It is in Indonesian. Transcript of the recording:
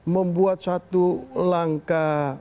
membuat satu langkah